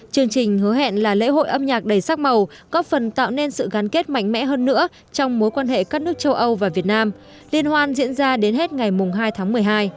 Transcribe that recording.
chương trình hứa hẹn là lễ hội âm nhạc đầy sắc màu góp phần tạo nên sự gắn kết mạnh mẽ hơn nữa trong mối quan hệ các nước châu âu và việt nam liên hoan diễn ra đến hết ngày hai tháng một mươi hai